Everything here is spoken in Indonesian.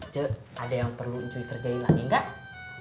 ce ada yang perlu cuy kerjain lagi enggak